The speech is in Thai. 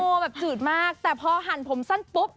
แบบจืดมากแต่พอหั่นผมสั้นปุ๊บ